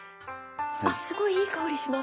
すごいいい香りします！